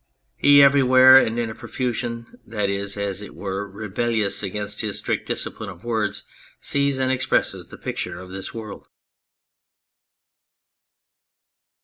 He everywhere, and in a profusion that is, as it were, rebellious against his strict discipline of words, sees and expresses the picture of this world.